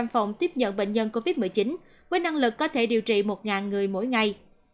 năm phòng tiếp nhận bệnh nhân covid một mươi chín với năng lực có thể điều trị một người mỗi ngày